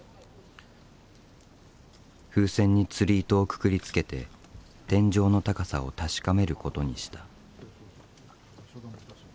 風船につり糸をくくりつけて天井の高さを確かめることにした。